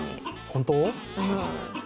本当？